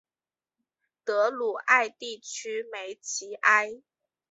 德鲁艾地区梅齐埃。